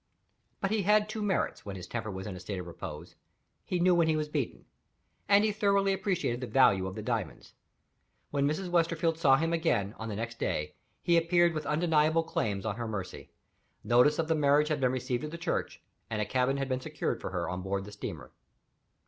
But he had two merits, when his temper was in a state of repose. He knew when he was beaten; and he thoroughly appreciated the value of the diamonds. When Mrs. Westerfield saw him again, on the next day, he appeared with undeniable claims on her mercy. Notice of the marriage had been received at the church; and a cabin had been secured for her on board the steamer.